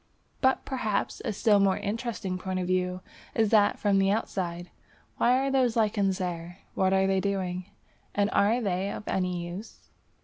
But perhaps a still more interesting point of view is that from the outside. Why are those lichens there? What are they doing, and are they of any use?